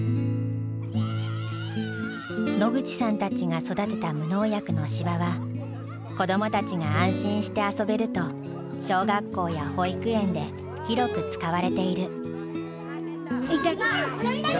野口さんたちが育てた無農薬の芝は子どもたちが安心して遊べると小学校や保育園で広く使われている。